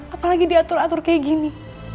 apalagi diatur atur kayak gini